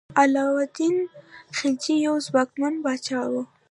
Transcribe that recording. علاء الدین خلجي یو ځواکمن پاچا و.